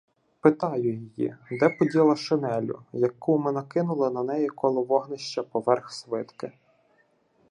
Питаю її, де поділа шинелю, яку ми накинули на неї коло вогнища поверх свитки.